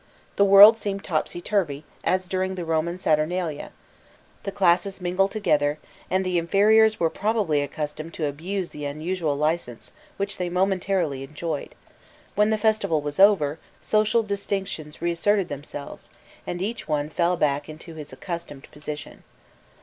The world seemed topsy turvy as during the Roman Saturnalia; the classes mingled together, and the inferiors were probably accustomed to abuse the unusual licence which they momentarily enjoyed: when the festival was over, social distinctions reasserted themselves, and each one fell back into his accustomed position.